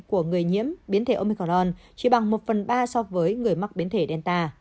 của người nhiễm biến thể omicron chỉ bằng một phần ba so với người mắc biến thể delta